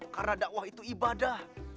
karena dakwah itu ibadah